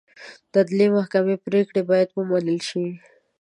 د عدلي محکمې پرېکړې باید ومنل شي.